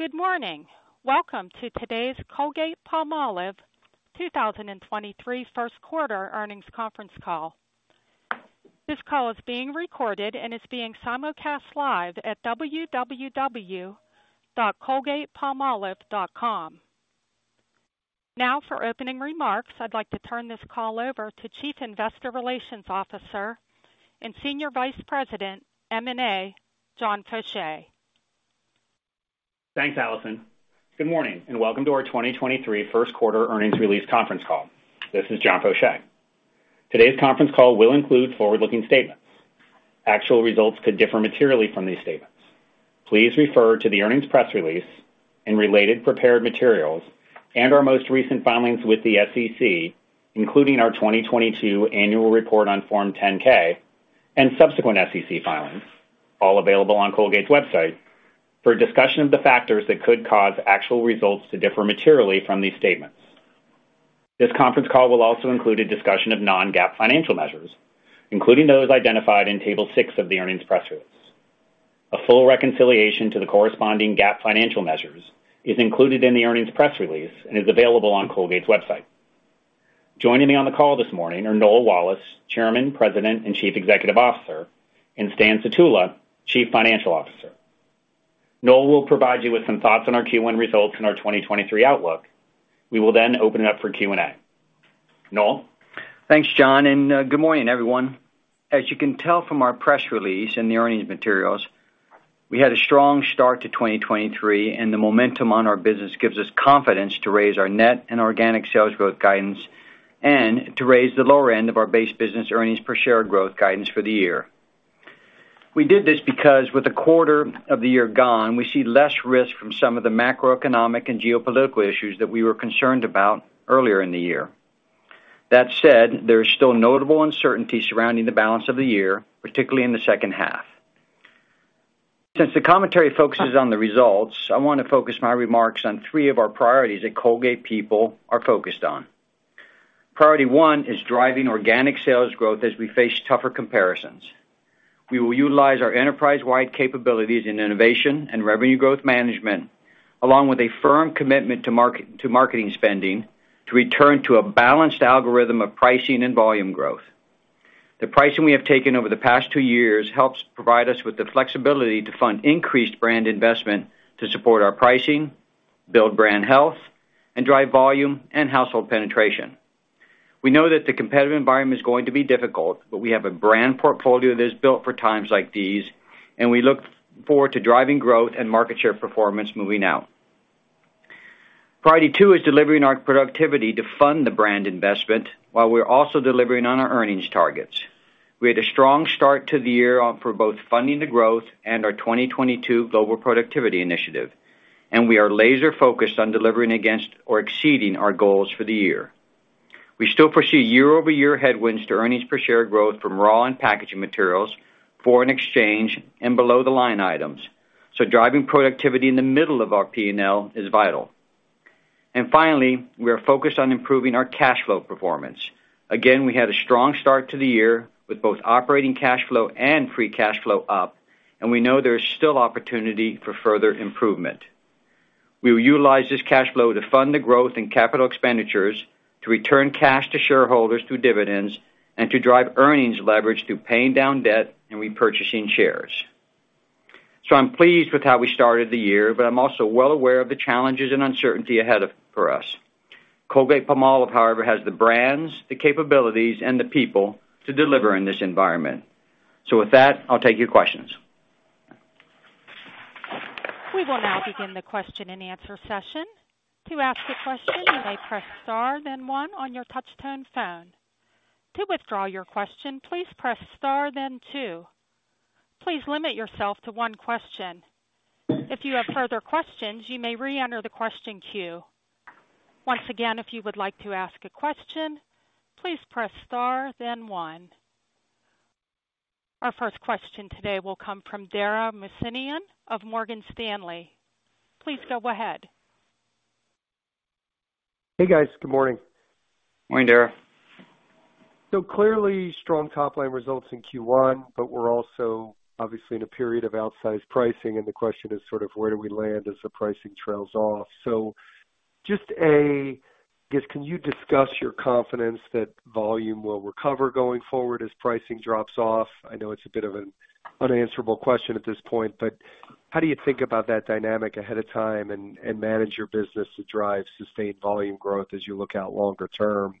Good morning. Welcome to today's Colgate-Palmolive 2023 first quarter earnings conference call. This call is being recorded and is being simulcast live at www.colgatepalmolive.com. For opening remarks, I'd like to turn this call over to Chief Investor Relations Officer and Senior Vice President, M&A, John Faucher. Thanks, Allison. Good morning and welcome to our 2023 first quarter earnings release conference call. This is John Faucher. Today's conference call will include forward-looking statements. Actual results could differ materially from these statements. Please refer to the earnings press release and related prepared materials and our most recent filings with the SEC, including our 2022 annual report on Form 10-K and subsequent SEC filings, all available on Colgate's website, for a discussion of the factors that could cause actual results to differ materially from these statements. This conference call will also include a discussion of non-GAAP financial measures, including those identified in Table 6 of the earnings press release. A full reconciliation to the corresponding GAAP financial measures is included in the earnings press release and is available on Colgate's website. Joining me on the call this morning are Noel Wallace, Chairman, President, and Chief Executive Officer, and Stan Sutula, Chief Financial Officer. Noel will provide you with some thoughts on our Q1 results and our 2023 outlook. We will then open it up for Q&A. Noel? Thanks, John, good morning, everyone. As you can tell from our press release and the earnings materials, we had a strong start to 2023, the momentum on our business gives us confidence to raise our net and organic sales growth guidance and to raise the lower end of our base business earnings per share growth guidance for the year. We did this because with a quarter of the year gone, we see less risk from some of the macroeconomic and geopolitical issues that we were concerned about earlier in the year. That said, there is still notable uncertainty surrounding the balance of the year, particularly in the second half. Since the commentary focuses on the results, I wanna focus my remarks on three of our priorities that Colgate people are focused on. Priority one is driving organic sales growth as we face tougher comparisons. We will utilize our enterprise-wide capabilities in innovation and Revenue Growth Management, along with a firm commitment to marketing spending, to return to a balanced algorithm of pricing and volume growth. The pricing we have taken over the past two years helps provide us with the flexibility to fund increased brand investment to support our pricing, build brand health, and drive volume and household penetration. We know that the competitive environment is going to be difficult. We have a brand portfolio that is built for times like these. We look forward to driving growth and market share performance moving out. Priority two is delivering our productivity to fund the brand investment while we're also delivering on our earnings targets. We had a strong start to the year for both Funding the Growth and our 2022 Global Productivity Initiative, we are laser-focused on delivering against or exceeding our goals for the year. We still foresee year-over-year headwinds to earnings per share growth from raw and packaging materials, foreign exchange, and below-the-line items, driving productivity in the middle of our P&L is vital. Finally, we are focused on improving our cash flow performance. Again, we had a strong start to the year with both operating cash flow and free cash flow up, we know there is still opportunity for further improvement. We will utilize this cash flow to fund the growth in capital expenditures, to return cash to shareholders through dividends, and to drive earnings leverage through paying down debt and repurchasing shares. I'm pleased with how we started the year, but I'm also well aware of the challenges and uncertainty ahead for us. Colgate-Palmolive, however, has the brands, the capabilities, and the people to deliver in this environment. With that, I'll take your questions. We will now begin the question-and-answer session. To ask a question, you may press star then one on your touch tone phone. To withdraw your question, please press star then two. Please limit yourself to one question. If you have further questions, you may re-enter the question queue. Once again, if you would like to ask a question, please press star then one. Our first question today will come from Dara Mohsenian of Morgan Stanley. Please go ahead. Hey, guys. Good morning. Morning, Dara. Clearly strong top-line results in Q1, but we're also obviously in a period of outsized pricing, and the question is sort of where do we land as the pricing trails off? Just, A, I guess can you discuss your confidence that volume will recover going forward as pricing drops off? I know it's a bit of an unanswerable question at this point, but how do you think about that dynamic ahead of time and manage your business to drive sustained volume growth as you look out longer term?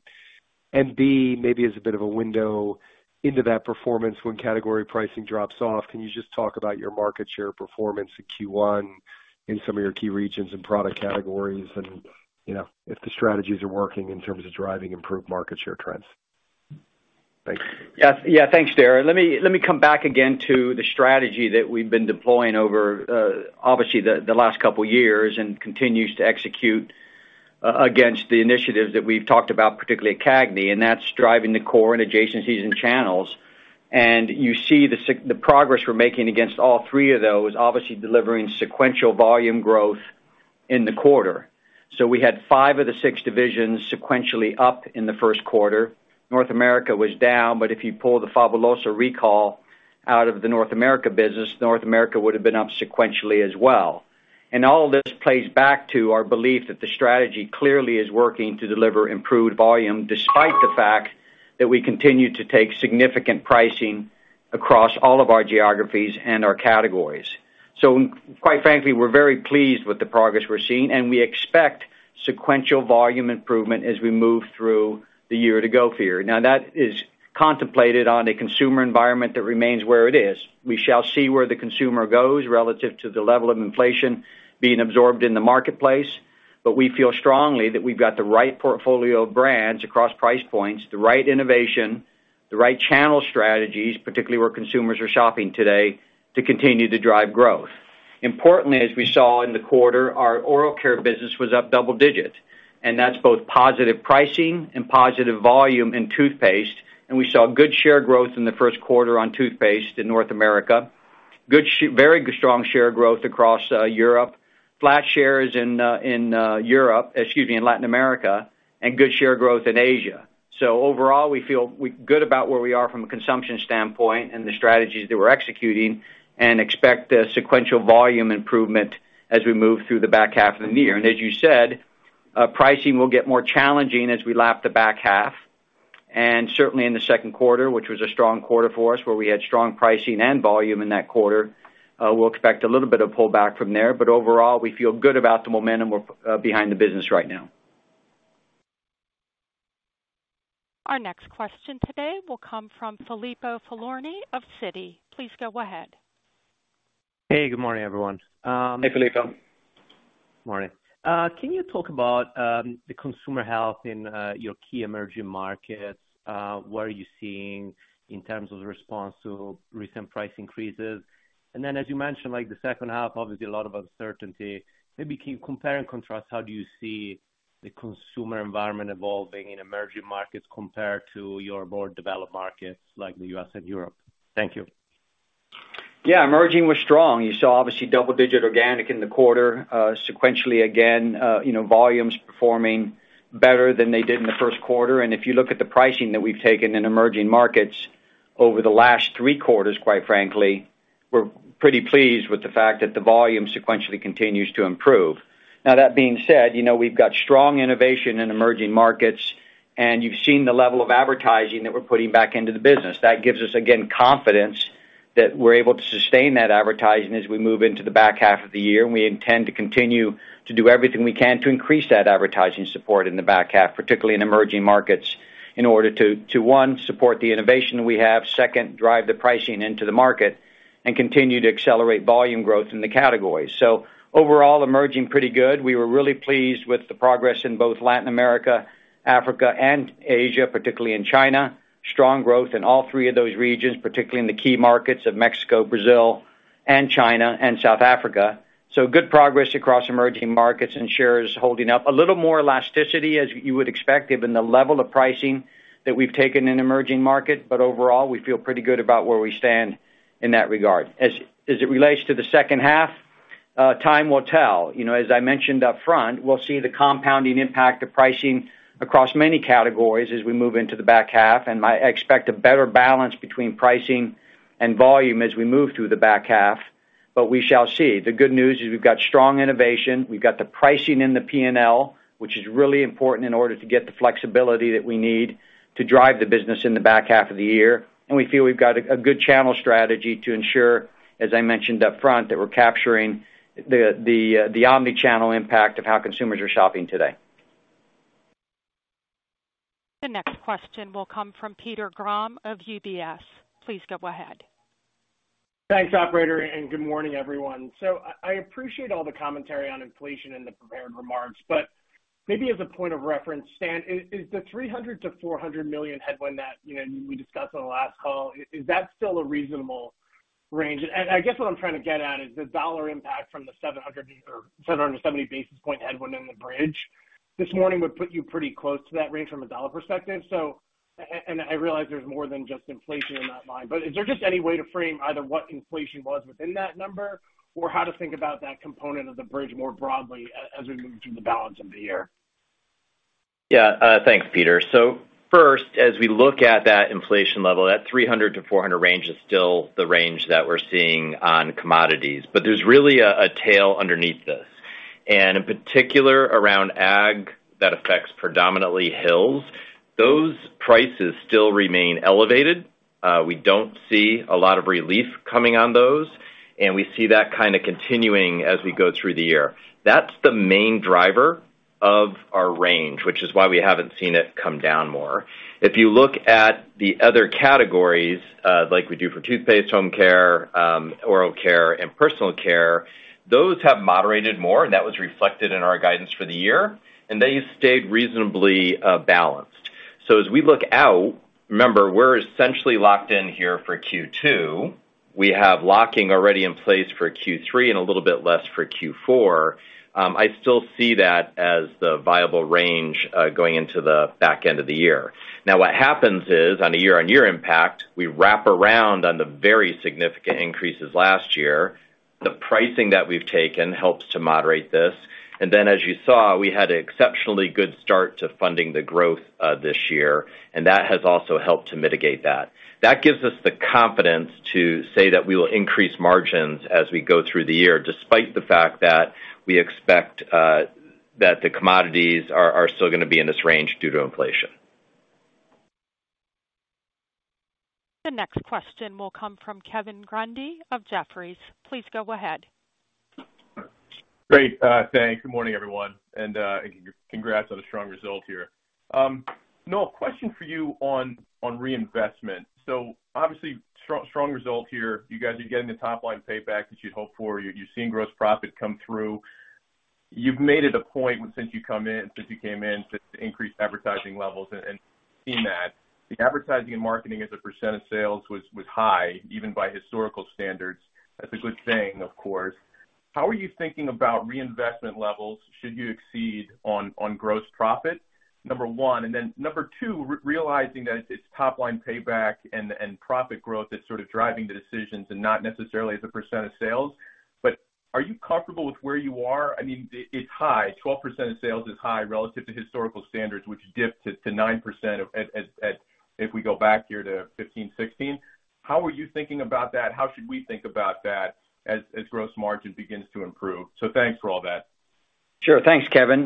B, maybe as a bit of a window into that performance when category pricing drops off, can you just talk about your market share performance in Q1 in some of your key regions and product categories and, you know, if the strategies are working in terms of driving improved market share trends? Thanks. Yeah. Yeah. Thanks, Dara. Let me come back again to the strategy that we've been deploying over, obviously the last couple years and continues to execute against the initiatives that we've talked about, particularly at CAGNY, and that's driving the core and adjacencies and channels. You see the progress we're making against all three of those, obviously delivering sequential volume growth in the quarter. We had 5 of the 6 divisions sequentially up in the 1st quarter. North America was down, but if you pull the Fabuloso recall out of the North America business, North America would have been up sequentially as well. All this plays back to our belief that the strategy clearly is working to deliver improved volume despite the fact that we continue to take significant pricing across all of our geographies and our categories. Quite frankly, we're very pleased with the progress we're seeing, and we expect sequential volume improvement as we move through the year to go here. That is contemplated on a consumer environment that remains where it is. We shall see where the consumer goes relative to the level of inflation being absorbed in the marketplace. We feel strongly that we've got the right portfolio of brands across price points, the right innovation, the right channel strategies, particularly where consumers are shopping today, to continue to drive growth. Importantly, as we saw in the quarter, our oral care business was up double-digit, and that's both positive pricing and positive volume in toothpaste. We saw good share growth in the first quarter on toothpaste in North America. Good very strong share growth across Europe. Flat shares in Europe, excuse me, in Latin America, and good share growth in Asia. Overall, we feel good about where we are from a consumption standpoint and the strategies that we're executing and expect a sequential volume improvement as we move through the back half of the year. As you said, pricing will get more challenging as we lap the back half. Certainly in the second quarter, which was a strong quarter for us, where we had strong pricing and volume in that quarter, we'll expect a little bit of pullback from there. Overall, we feel good about the momentum behind the business right now. Our next question today will come from Filippo Falorni of Citi. Please go ahead. Hey, good morning, everyone. Hey, Filippo. Morning. Can you talk about the consumer health in your key emerging markets? What are you seeing in terms of response to recent price increases? As you mentioned, like the second half, obviously a lot of uncertainty. Maybe compare and contrast, how do you see the consumer environment evolving in emerging markets compared to your more developed markets like the U.S. and Europe? Thank you. Yeah, emerging was strong. You saw obviously double-digit organic in the quarter, sequentially, again, you know, volumes performing better than they did in the first quarter. If you look at the pricing that we've taken in emerging markets over the last three quarters, quite frankly, we're pretty pleased with the fact that the volume sequentially continues to improve. Now, that being said, you know, we've got strong innovation in emerging markets, and you've seen the level of advertising that we're putting back into the business. That gives us, again, confidence that we're able to sustain that advertising as we move into the back half of the year. We intend to continue to do everything we can to increase that advertising support in the back half, particularly in emerging markets, in order to one, support the innovation we have. Second, drive the pricing into the market and continue to accelerate volume growth in the category. Overall, emerging pretty good. We were really pleased with the progress in both Latin America, Africa and Asia, particularly in China. Strong growth in all three of those regions, particularly in the key markets of Mexico, Brazil and China and South Africa. Good progress across emerging markets and shares holding up. A little more elasticity, as you would expect, given the level of pricing that we've taken in emerging market. Overall, we feel pretty good about where we stand in that regard. As it relates to the second half, time will tell. You know, as I mentioned up front, we'll see the compounding impact of pricing across many categories as we move into the back half and I expect a better balance between pricing and volume as we move through the back half, but we shall see. The good news is we've got strong innovation, we've got the pricing in the P&L, which is really important in order to get the flexibility that we need to drive the business in the back half of the year. We feel we've got a good channel strategy to ensure, as I mentioned up front, that we're capturing the omni-channel impact of how consumers are shopping today. The next question will come from Peter Grom of UBS. Please go ahead. Thanks, Operator, good morning, everyone. I appreciate all the commentary on inflation in the prepared remarks. Maybe as a point of reference, Stan, is the $300 million-400 million headwind that, you know, we discussed on the last call, is that still a reasonable range? I guess what I'm trying to get at is the dollar impact from the 700 or 770 basis point headwind in the bridge this morning would put you pretty close to that range from a dollar perspective. And I realize there's more than just inflation in that line, but is there just any way to frame either what inflation was within that number or how to think about that component of the bridge more broadly as we move through the balance of the year? Yeah. Thanks, Peter. First, as we look at that inflation level, that 300-400 range is still the range that we're seeing on commodities. There's really a tail underneath this, and in particular around ag that affects predominantly Hill's. Those prices still remain elevated. We don't see a lot of relief coming on those, and we see that kinda continuing as we go through the year. That's the main driver of our range, which is why we haven't seen it come down more. If you look at the other categories, like we do for toothpaste, home care, oral care and personal care, those have moderated more, and that was reflected in our guidance for the year. They stayed reasonably balanced. As we look out, remember, we're essentially locked in here for Q2. We have locking already in place for Q3 and a little bit less for Q4. I still see that as the viable range going into the back end of the year. What happens is, on a year-on-year impact, we wrap around on the very significant increases last year. The pricing that we've taken helps to moderate this. As you saw, we had an exceptionally good start to Funding the Growth this year, and that has also helped to mitigate that. That gives us the confidence to say that we will increase margins as we go through the year, despite the fact that we expect that the commodities are still going to be in this range due to inflation. The next question will come from Kevin Grundy of Jefferies. Please go ahead. Great. Thanks. Good morning, everyone, and congrats on a strong result here. Noel, question for you on reinvestment. Obviously, strong result here. You guys are getting the top line payback that you'd hope for. You've seen gross profit come through. You've made it a point since you came in to increase advertising levels and seen that. The advertising and marketing as a percent of sales was high, even by historical standards. That's a good thing, of course. How are you thinking about reinvestment levels should you exceed on gross profit, number 1? Then number two, realizing that it's top line payback and profit growth that's sort of driving the decisions and not necessarily the percent of sales. Are you comfortable with where you are? I mean, it's high. 12% of sales is high relative to historical standards, which dipped to 9% of. If we go back here to 2015, 2016. How are you thinking about that? How should we think about that as gross margin begins to improve? Thanks for all that. Sure. Thanks, Kevin.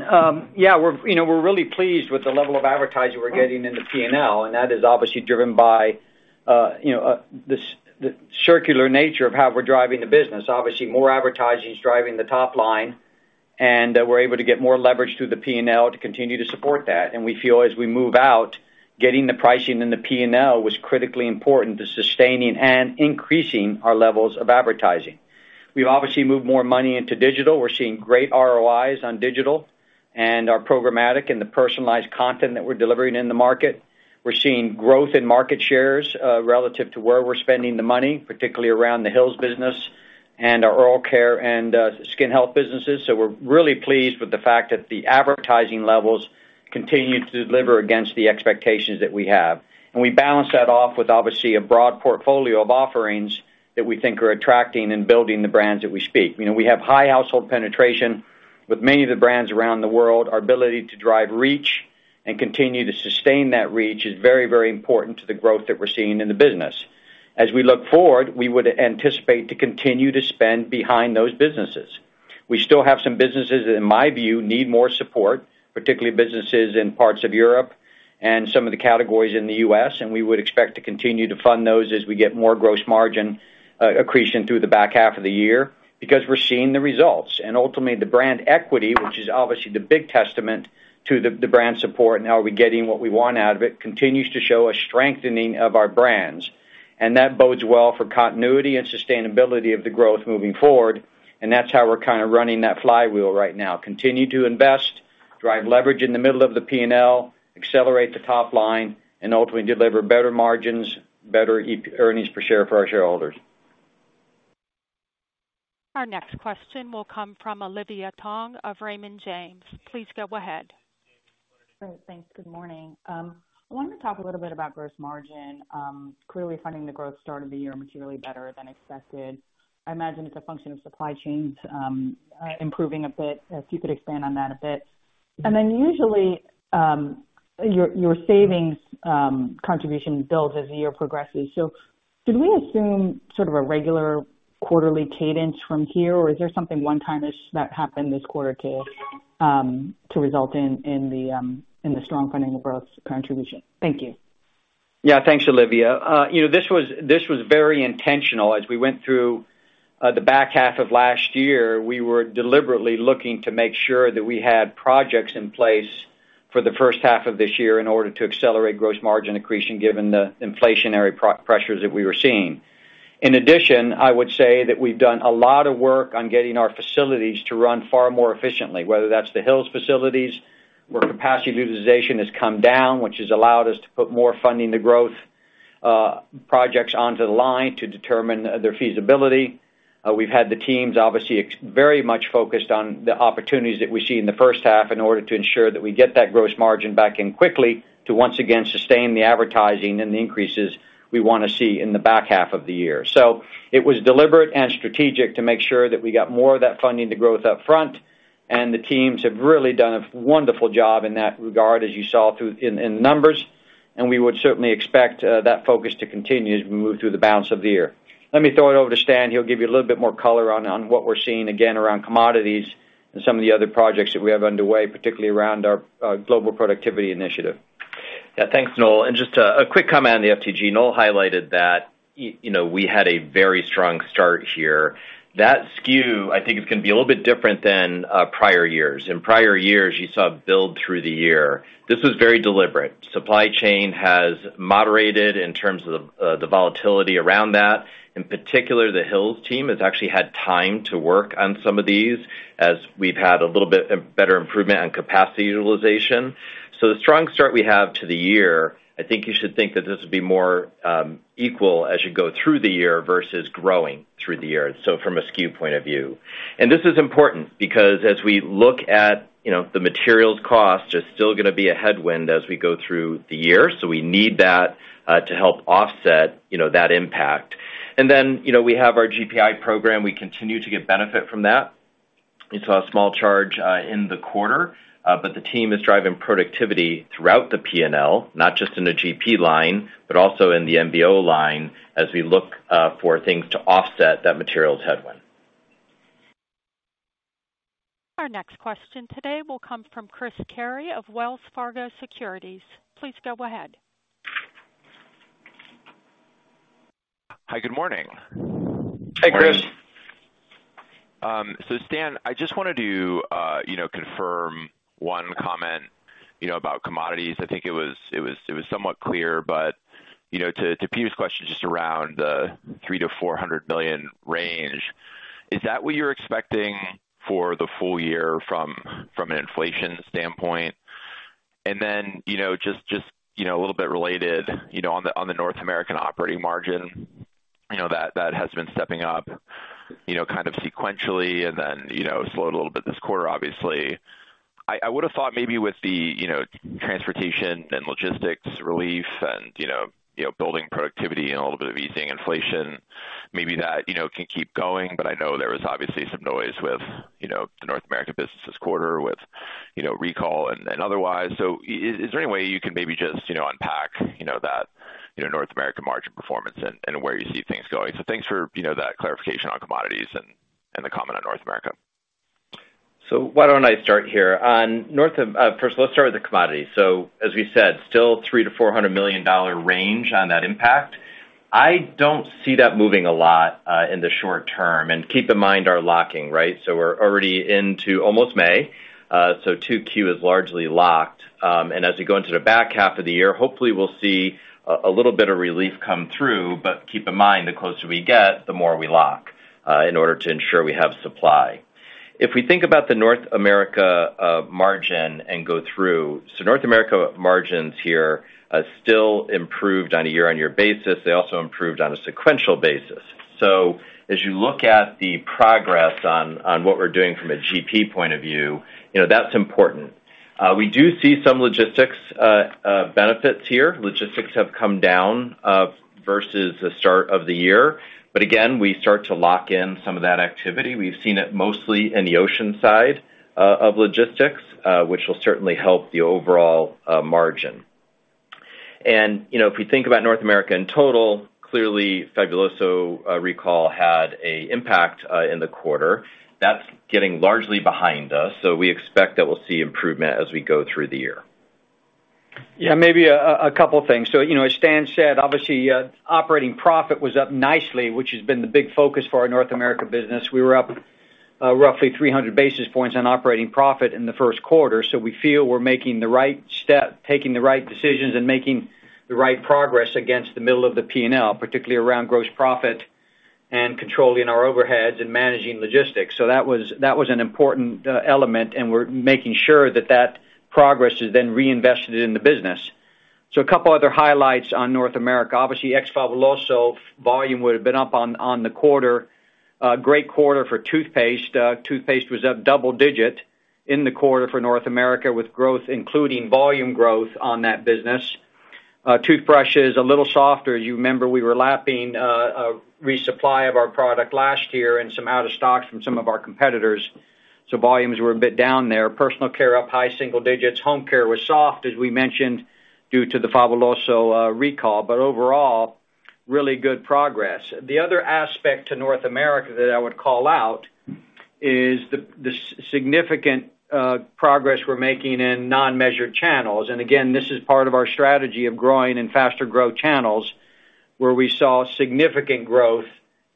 Yeah, we're, you know, we're really pleased with the level of advertising we're getting in the P&L, and that is obviously driven by, you know, the circular nature of how we're driving the business. Obviously, more advertising is driving the top line. We're able to get more leverage through the P&L to continue to support that. We feel as we move out, getting the pricing in the P&L was critically important to sustaining and increasing our levels of advertising. We've obviously moved more money into digital. We're seeing great ROIs on digital and our programmatic and the personalized content that we're delivering in the market. We're seeing growth in market shares, relative to where we're spending the money, particularly around the Hill's business and our oral care and skin health businesses. We're really pleased with the fact that the advertising levels continue to deliver against the expectations that we have. We balance that off with, obviously, a broad portfolio of offerings that we think are attracting and building the brands that we speak. You know, we have high household penetration with many of the brands around the world. Our ability to drive reach and continue to sustain that reach is very, very important to the growth that we're seeing in the business. We look forward, we would anticipate to continue to spend behind those businesses. We still have some businesses that, in my view, need more support, particularly businesses in parts of Europe and some of the categories in the US, and we would expect to continue to fund those as we get more gross margin accretion through the back half of the year because we're seeing the results. Ultimately, the brand equity, which is obviously the big testament to the brand support and are we getting what we want out of it, continues to show a strengthening of our brands. That bodes well for continuity and sustainability of the growth moving forward, and that's how we're kinda running that flywheel right now. Continue to invest, drive leverage in the middle of the P&L, accelerate the top line, and ultimately deliver better margins, better earnings per share for our shareholders. Our next question will come from Olivia Tong of Raymond James. Please go ahead. Great. Thanks. Good morning. I wanted to talk a little bit about gross margin. Clearly Funding the Growth start of the year materially better than expected. I imagine it's a function of supply chains improving a bit, if you could expand on that a bit. Usually, your savings contribution builds as the year progresses. Should we assume sort of a regular quarterly cadence from here, or is there something one-timish that happened this quarter to result in the strong funding-of-growth contribution? Thank you. Yeah. Thanks, Olivia. you know, this was very intentional. As we went through the back half of last year, we were deliberately looking to make sure that we had projects in place for the first half of this year in order to accelerate gross margin accretion given the inflationary pressures that we were seeing. In addition, I would say that we've done a lot of work on getting our facilities to run far more efficiently, whether that's the Hill's facilities, where capacity utilization has come down, which has allowed us to put more Funding the Growth projects onto the line to determine their feasibility. We've had the teams obviously very much focused on the opportunities that we see in the first half in order to ensure that we get that gross margin back in quickly to once again sustain the advertising and the increases we wanna see in the back half of the year. It was deliberate and strategic to make sure that we got more of that funding to growth up front, and the teams have really done a wonderful job in that regard, as you saw in the numbers, and we would certainly expect that focus to continue as we move through the balance of the year. Let me throw it over to Stan. He'll give you a little bit more color on what we're seeing again around commodities and some of the other projects that we have underway, particularly around our Global Productivity Initiative. Yeah. Thanks, Noel. Just a quick comment on the FTG. Noel highlighted that you know, we had a very strong start here. That skew, I think, is gonna be a little bit different than prior years. In prior years, you saw a build through the year. This was very deliberate. Supply chain has moderated in terms of the volatility around that. In particular, the Hill's team has actually had time to work on some of these as we've had a little bit better improvement on capacity utilization. The strong start we have to the year, I think you should think that this would be more equal as you go through the year versus growing through the year, so from a skew point of view. This is important because as we look at, you know, the materials cost, there's still gonna be a headwind as we go through the year, so we need that to help offset, you know, that impact. You know, we have our GPI program. We continue to get benefit from that. You saw a small charge in the quarter, but the team is driving productivity throughout the P&L, not just in the GP line, but also in the MBO line as we look for things to offset that materials headwind. Our next question today will come from Chris Carey of Wells Fargo Securities. Please go ahead. Hi, good morning. Hey, Chris. Stan, I just wanted to, you know, confirm one comment, you know, about commodities. I think it was somewhat clear, but, you know, to Peter's question, just around $300 million-400 million range, is that what you're expecting for the full year from an inflation standpoint? just, you know, a little bit related, on the North American operating margin, that has been stepping up, kind of sequentially and then, slowed a little bit this quarter, obviously. I would have thought maybe with the transportation and logistics relief and building productivity and a little bit of easing inflation, maybe that can keep going. I know there was obviously some noise with, you know, the North American business this quarter with, you know, recall and otherwise. Is there any way you can maybe just, you know, unpack, you know, that, you know, North American margin performance and where you see things going? Thanks for, you know, that clarification on commodities and the comment on North America. Why don't I start here? On North Am-- first let's start with the commodities. As we said, still $300 million-400 million range on that impact. I don't see that moving a lot, in the short term. Keep in mind are locking, right? We're already into almost May, 2Q is largely locked. As we go into the back half of the year, hopefully we'll see a little bit of relief come through, but keep in mind, the closer we get, the more we lock, in order to ensure we have supply. If we think about the North America margin and go through. North America margins here, still improved on a year-on-year basis. They also improved on a sequential basis. As you look at the progress on what we're doing from a GP point of view, you know, that's important. We do see some logistics benefits here. Logistics have come down versus the start of the year, but again, we start to lock in some of that activity. We've seen it mostly in the ocean side of logistics, which will certainly help the overall margin. You know, if we think about North America in total, clearly Fabuloso recall had a impact in the quarter. That's getting largely behind us, we expect that we'll see improvement as we go through the year. Yeah, maybe a couple of things. You know, as Stan said, obviously, operating profit was up nicely, which has been the big focus for our North America business. We were up roughly 300 basis points on operating profit in the first quarter. We feel we're making the right step, taking the right decisions, and making the right progress against the middle of the P&L, particularly around gross profit and controlling our overheads and managing logistics. That was an important element, and we're making sure that that progress is then reinvested in the business. A couple other highlights on North America. Obviously, ex-Fabuloso volume would have been up on the quarter. Great quarter for toothpaste. Toothpaste was up double digit in the quarter for North America, with growth including volume growth on that business. Toothbrushes, a little softer. You remember, we were lapping a resupply of our product last year and some out of stocks from some of our competitors. Volumes were a bit down there. Personal care up high single digits. Home care was soft, as we mentioned, due to the Fabuloso recall, overall, really good progress. The other aspect to North America that I would call out is the significant progress we're making in non-measured channels. Again, this is part of our strategy of growing in faster growth channels, where we saw significant growth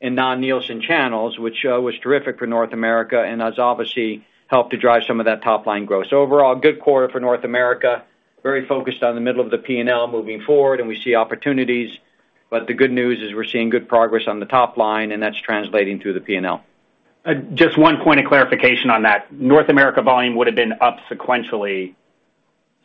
in non-Nielsen channels, which was terrific for North America, has obviously helped to drive some of that top-line growth. Overall, good quarter for North America, very focused on the middle of the P&L moving forward, we see opportunities. The good news is we're seeing good progress on the top line, and that's translating through the P&L. Just one point of clarification on that. North America volume would have been up sequentially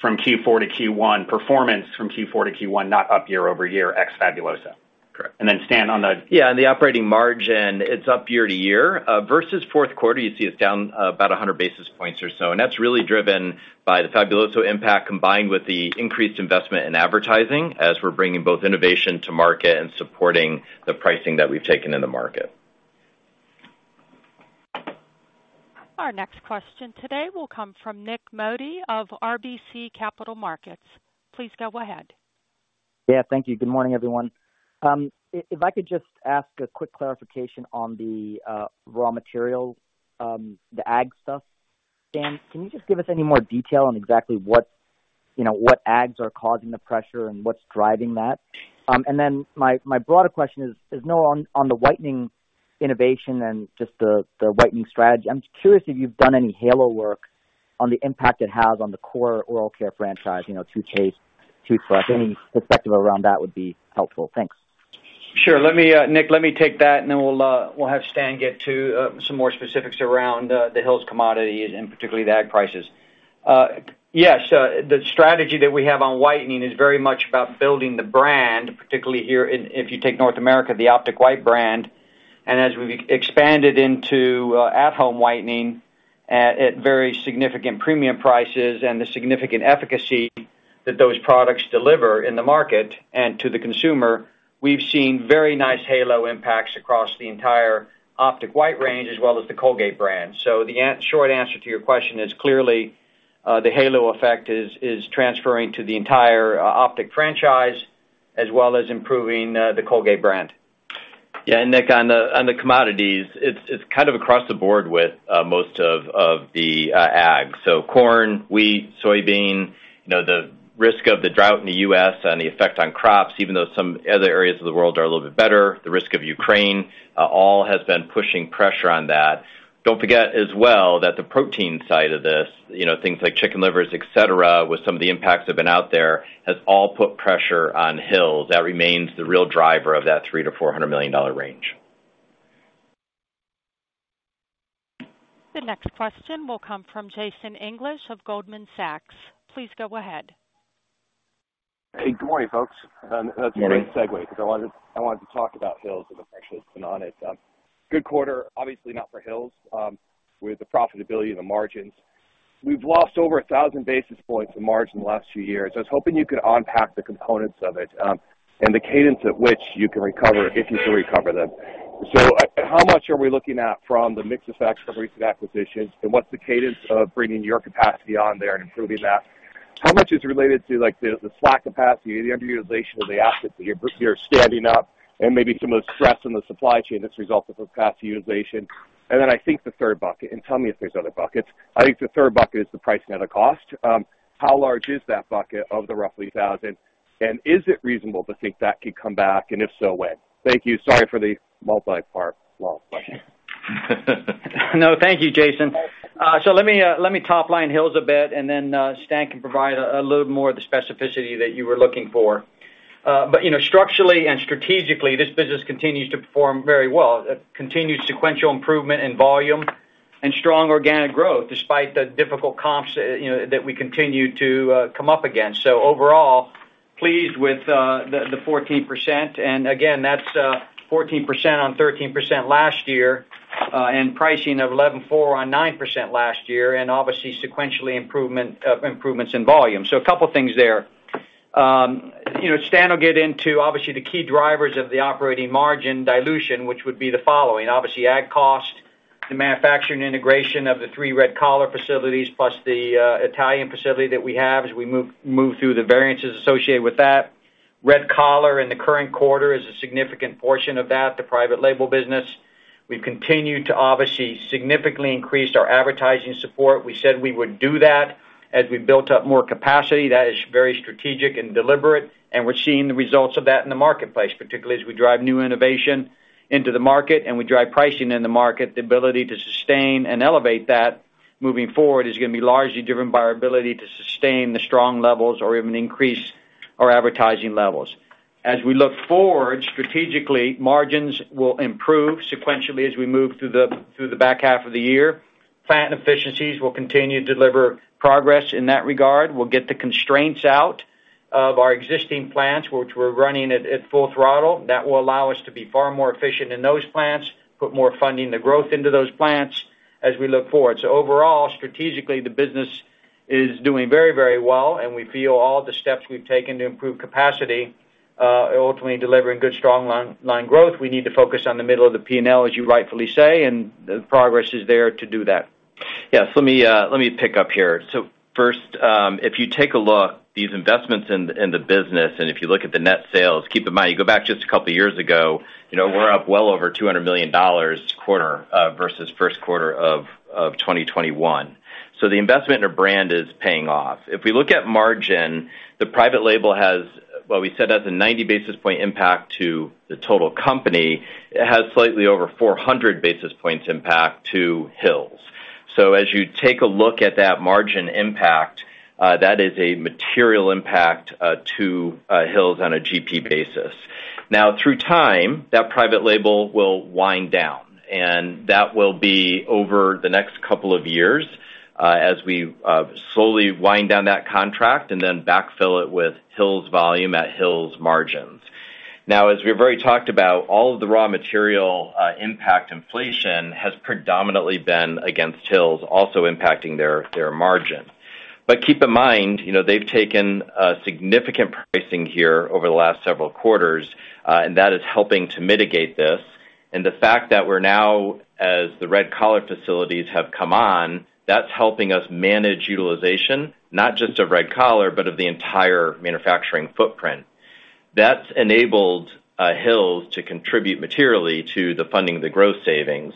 from Q4 to Q1, performance from Q4 to Q1, not up year-over-year ex-Fabuloso. Correct. Stan. Yeah, the operating margin, it's up year-over-year. Versus fourth quarter, you see it's down about 100 basis points or so. That's really driven by the Fabuloso impact combined with the increased investment in advertising as we're bringing both innovation to market and supporting the pricing that we've taken in the market. Our next question today will come from Nik Modi of RBC Capital Markets. Please go ahead. Yeah, thank you. Good morning, everyone. If I could just ask a quick clarification on the raw material, the ag stuff. Stan, can you just give us any more detail on exactly what, you know, what ags are causing the pressure and what's driving that? Then my broader question is now on the whitening innovation and just the whitening strategy. I'm curious if you've done any halo work on the impact it has on the core oral care franchise, you know, toothpaste, toothbrush. Any perspective around that would be helpful. Thanks. Sure. Let me, Nik, let me take that, and then we'll have Stan get to some more specifics around the Hill's commodities and particularly the ag prices. Yes, the strategy that we have on whitening is very much about building the brand, particularly here in if you take North America, the Optic White brand, and as we've expanded into at-home whitening at very significant premium prices and the significant efficacy that those products deliver in the market and to the consumer, we've seen very nice halo impacts across the entire Optic White range as well as the Colgate brand. The short answer to your question is clearly, the halo effect is transferring to the entire Optic franchise as well as improving the Colgate brand. Yeah, Nik, on the commodities, it's kind of across the board with most of the ag. Corn, wheat, soybean, you know, the risk of the drought in the U.S. and the effect on crops, even though some other areas of the world are a little bit better, the risk of Ukraine, all has been pushing pressure on that. Don't forget as well that the protein side of this, you know, things like chicken livers, et cetera, with some of the impacts have been out there, has all put pressure on Hill's. That remains the real driver of that $300 million-400 million range. The next question will come from Jason English of Goldman Sachs. Please go ahead. Hey, good morning, folks. Good morning. That's a great segue because I wanted to talk about Hill's and the pressure that's been on it. Good quarter, obviously not for Hill's, with the profitability and the margins. We've lost over 1,000 basis points in margin the last few years. I was hoping you could unpack the components of it, and the cadence at which you can recover, if you can recover them. How much are we looking at from the mix effects of recent acquisitions? What's the cadence of bringing your capacity on there and improving that? How much is related to the slack capacity, the underutilization of the assets that you're standing up and maybe some of the stress in the supply chain that's resulted from capacity utilization? Then I think the third bucket, and tell me if there's other buckets, I think the third bucket is the pricing out of cost. How large is that bucket of the roughly $1,000? Is it reasonable to think that could come back, and if so, when? Thank you. Sorry for the multi-part long question. No, thank you, Jason. Let me top line Hill's a bit, and then Stan can provide a little more of the specificity that you were looking for. You know, structurally and strategically, this business continues to perform very well. A continued sequential improvement in volume and strong organic growth despite the difficult comps, you know, that we continue to come up against. Overall, pleased with the 14%. Again, that's 14% on 13% last year, pricing of 11.4% on 9% last year, obviously, sequential improvements in volume. A couple things there. you know, Stan will get into, obviously, the key drivers of the operating margin dilution, which would be the following: obviously, ag cost, the manufacturing integration of the 3 Red Collar facilities, plus the Italian facility that we have as we move through the variances associated with that. Red Collar in the current quarter is a significant portion of that, the private label business. We've continued to obviously significantly increase our advertising support. We said we would do that as we built up more capacity. That is very strategic and deliberate, we're seeing the results of that in the marketplace, particularly as we drive new innovation into the market and we drive pricing in the market. The ability to sustain and elevate that moving forward is gonna be largely driven by our ability to sustain the strong levels or even increase our advertising levels. As we look forward strategically, margins will improve sequentially as we move through the back half of the year. Plant efficiencies will continue to deliver progress in that regard. We'll get the constraints out of our existing plants, which we're running at full throttle. That will allow us to be far more efficient in those plants, put more Funding the Growth into those plants as we look forward. Overall, strategically, the business is doing very, very well, and we feel all the steps we've taken to improve capacity, ultimately delivering good, strong line growth. We need to focus on the middle of the P&L, as you rightfully say, and the progress is there to do that. Yes. Let me pick up here. First, if you take a look, these investments in the business, and if you look at the net sales, keep in mind, you go back just a couple of years ago, you know, we're up well over $200 million quarter versus first quarter of 2021. The investment in our brand is paying off. If we look at margin, the private label what we said has a 90 basis point impact to the total company, it has slightly over 400 basis points impact to Hill's. As you take a look at that margin impact, that is a material impact to Hill's on a GP basis. Through time, that private label will wind down, and that will be over the next couple of years, as we slowly wind down that contract and then backfill it with Hill's volume at Hill's margins. As we've already talked about, all of the raw material impact inflation has predominantly been against Hill's, also impacting their margin. Keep in mind, you know, they've taken significant pricing here over the last several quarters, and that is helping to mitigate this. The fact that we're now, as the Red Collar facilities have come on, that's helping us manage utilization, not just of Red Collar, but of the entire manufacturing footprint. That's enabled Hill's to contribute materially to the Funding of the Growth savings.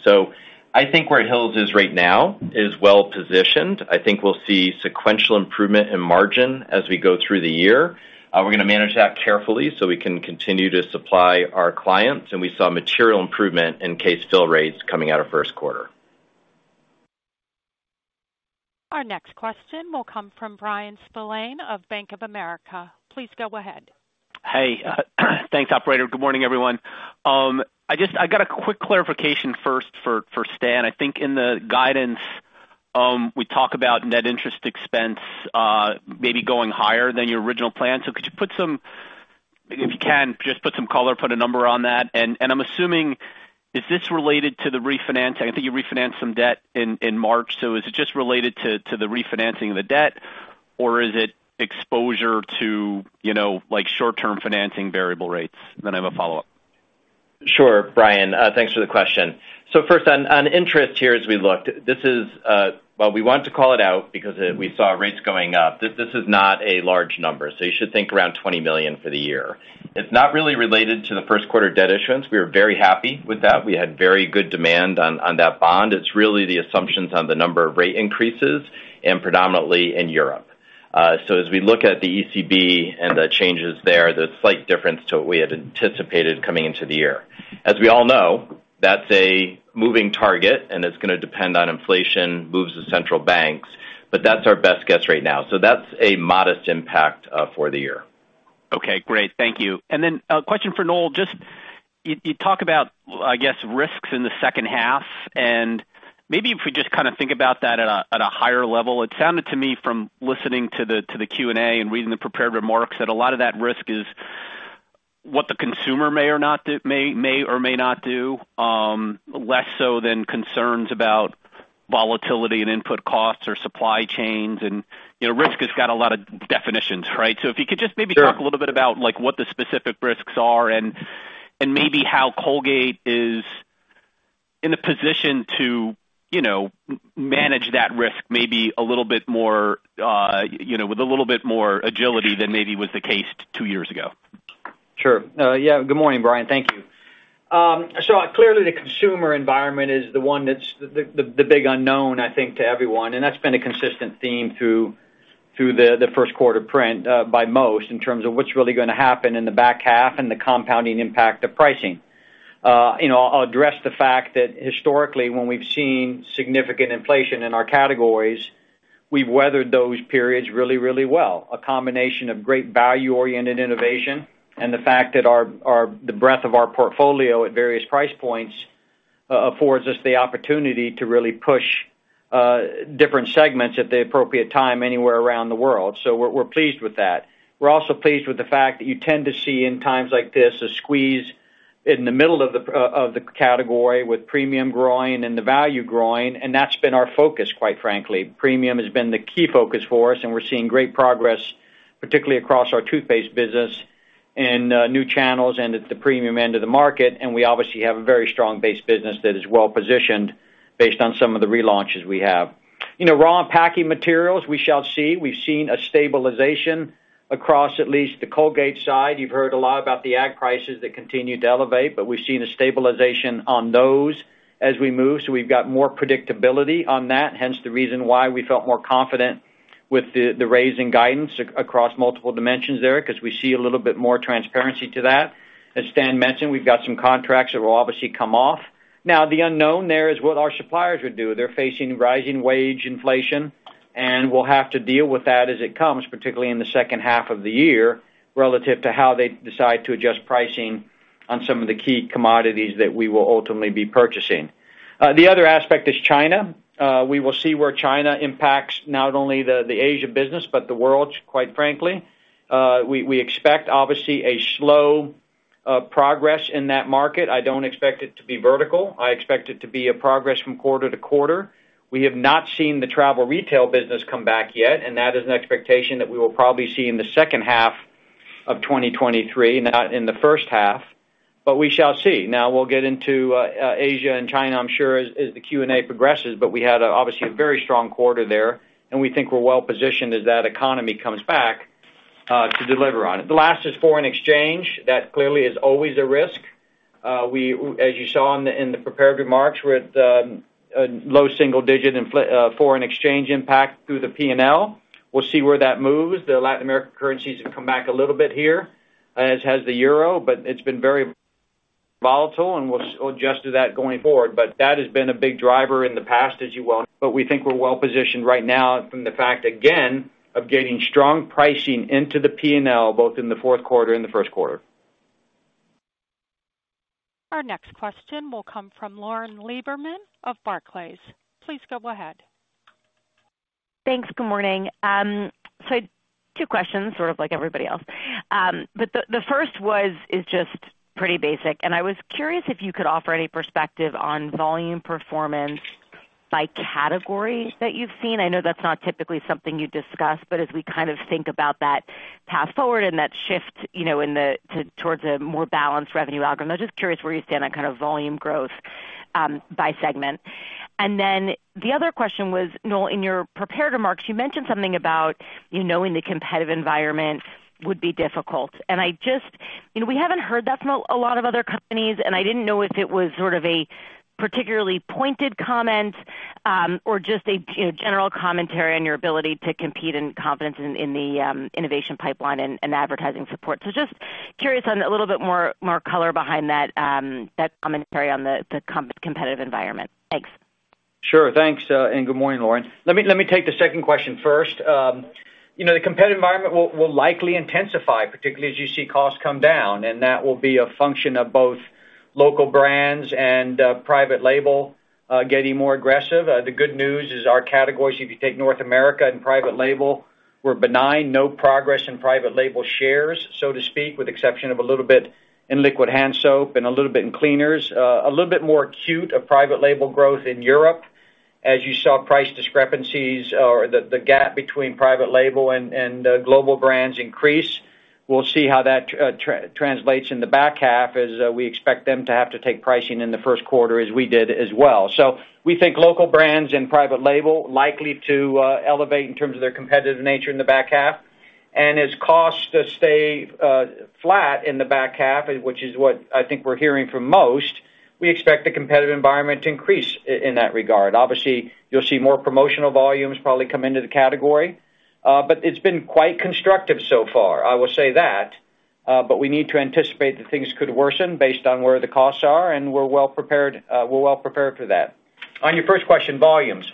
I think where Hill's is right now is well-positioned. I think we'll see sequential improvement in margin as we go through the year. We're gonna manage that carefully so we can continue to supply our clients, and we saw material improvement in case fill rates coming out of first quarter. Our next question will come from Bryan Spillane of Bank of America. Please go ahead. Hey. Thanks, Operator. Good morning, everyone. I got a quick clarification first for Stan. I think in the guidance, we talk about net interest expense, maybe going higher than your original plan. Could you put some If you can just put some color, put a number on that. I'm assuming, is this related to the refinancing? I think you refinanced some debt in March. Is it just related to the refinancing of the debt, or is it exposure to, you know, like, short-term financing variable rates? I have a follow-up. Sure, Brian, thanks for the question. First on interest here as we looked, this is, while we want to call it out because we saw rates going up, this is not a large number, you should think around $20 million for the year. It's not really related to the first quarter debt issuance. We are very happy with that. We had very good demand on that bond. It's really the assumptions on the number of rate increases and predominantly in Europe. As we look at the ECB and the changes there's slight difference to what we had anticipated coming into the year. As we all know, that's a moving target, and it's gonna depend on inflation, moves the central banks, but that's our best guess right now. That's a modest impact for the year. Okay, great. Thank you. A question for Noel. Just you talk about, I guess, risks in the second half, maybe if we just kinda think about that at a, at a higher level. It sounded to me from listening to the, to the Q&A and reading the prepared remarks that a lot of that risk is what the consumer may or may not do, less so than concerns about volatility and input costs or supply chains. You know, risk has got a lot of definitions, right? If you could just maybe. Sure. -talk a little bit about, like, what the specific risks are and maybe how Colgate is in a position to, you know, manage that risk maybe a little bit more, you know, with a little bit more agility than maybe was the case two years ago. Sure. Good morning, Bryan. Thank you. Clearly, the consumer environment is the one that's the big unknown, I think, to everyone, and that's been a consistent theme through the first quarter print by most in terms of what's really gonna happen in the back half and the compounding impact of pricing. You know, I'll address the fact that historically, when we've seen significant inflation in our categories, we've weathered those periods really, really well. A combination of great value-oriented innovation and the fact that the breadth of our portfolio at various price points affords us the opportunity to really push different segments at the appropriate time anywhere around the world. We're pleased with that. We're also pleased with the fact that you tend to see in times like this, a squeeze in the middle of the of the category with premium growing and the value growing. That's been our focus, quite frankly. Premium has been the key focus for us, and we're seeing great progress, particularly across our toothpaste business in new channels and at the premium end of the market. We obviously have a very strong base business that is well-positioned based on some of the relaunches we have. You know, raw packing materials, we shall see. We've seen a stabilization across at least the Colgate side. You've heard a lot about the ag prices that continue to elevate. We've seen a stabilization on those as we move. We've got more predictability on that, hence the reason why we felt more confident with the raising guidance across multiple dimensions there, 'cause we see a little bit more transparency to that. As Stan mentioned, we've got some contracts that will obviously come off. The unknown there is what our suppliers would do. They're facing rising wage inflation. We'll have to deal with that as it comes, particularly in the second half of the year, relative to how they decide to adjust pricing on some of the key commodities that we will ultimately be purchasing. The other aspect is China. We will see where China impacts not only the Asia business, but the world's, quite frankly. We expect, obviously, a slow progress in that market. I don't expect it to be vertical. I expect it to be a progress from quarter to quarter. We have not seen the travel retail business come back yet, and that is an expectation that we will probably see in the second half of 2023, not in the first half, but we shall see. We'll get into Asia and China, I'm sure, as the Q&A progresses. We had, obviously, a very strong quarter there, and we think we're well-positioned as that economy comes back to deliver on it. The last is foreign exchange. That clearly is always a risk. As you saw in the prepared remarks, we're at a low single-digit foreign exchange impact through the P&L. We'll see where that moves. The Latin American currencies have come back a little bit here, as has the euro. It's been very volatile and we'll adjust to that going forward. That has been a big driver in the past. We think we're well-positioned right now from the fact, again, of getting strong pricing into the P&L, both in the fourth quarter and the first quarter. Our next question will come from Lauren Lieberman of Barclays. Please go ahead. Thanks. Good morning. Two questions, sort of like everybody else. The first was, is just pretty basic, and I was curious if you could offer any perspective on volume performance by category that you've seen. I know that's not typically something you discuss, but as we kind of think about that path forward and that shift, you know, towards a more balanced revenue algorithm, I'm just curious where you stand on kind of volume growth by segment. The other question was, Noel, in your prepared remarks, you mentioned something about, you know, in the competitive environment would be difficult. I just-- you know, we haven't heard that from a lot of other companies, and I didn't know if it was sort of a particularly pointed comment, or just a, you know, general commentary on your ability to compete in confidence in the innovation pipeline and advertising support. Just curious on a little bit more color behind that commentary on the competitive environment. Thanks. Sure. Thanks, and good morning, Lauren. Let me take the second question first. You know, the competitive environment will likely intensify, particularly as you see costs come back. That will be a function of both local brands and private label getting more aggressive. The good news is our categories, if you take North America and private label, were benign. No progress in private label shares, so to speak, with exception of a little bit in liquid hand soap and a little bit in cleaners. A little bit more acute of private label growth in Europe, as you saw price discrepancies or the gap between private label and global brands increase. We'll see how that translates in the back half as we expect them to have to take pricing in the first quarter as we did as well. We think local brands and private label likely to elevate in terms of their competitive nature in the back half. As costs stay flat in the back half, which is what I think we're hearing from most, we expect the competitive environment to increase in that regard. Obviously, you'll see more promotional volumes probably come into the category. It's been quite constructive so far, I will say that. We need to anticipate that things could worsen based on where the costs are, and we're well prepared for that. On your first question, volumes.